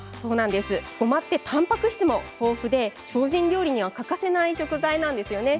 ごまは、たんぱく質も豊富で、精進料理には欠かせない食材なんですよね。